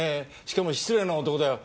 しかも失礼な男だよ。